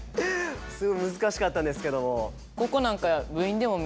すごい難しかったんですけども。